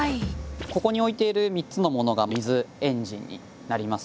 ここに置いている３つのものが水エンジンになります。